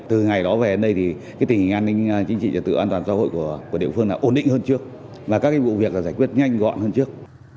từ ngày đó về đến đây thì tình hình an ninh chính trị trật tự an toàn xã hội của địa phương ổn định hơn trước và các vụ việc giải quyết nhanh gọn hơn trước